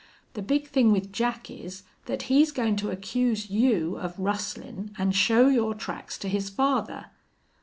The big thing with Jack is that he's goin' to accuse you of rustlin' an' show your tracks to his father.